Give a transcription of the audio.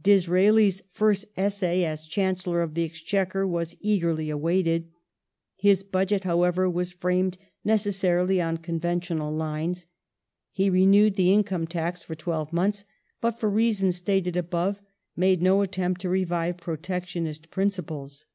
Disraeli's Disraeli's first essay as Chancellor of the Exchequer was eagerly first Bud awaited. His Budget, however, was framed necessarily on con ventional lines : he renewed the income tax for twelve months, but for reasons stated above made no attempt to revive protec tionist principles.